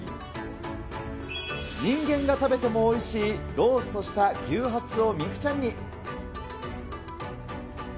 人間が食べてもおいしいローストした牛ハツを三九ちゃんに。